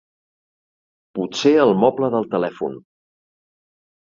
Potser al moble del telèfon.